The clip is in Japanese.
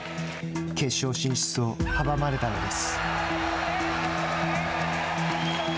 決勝進出を阻まれたのです。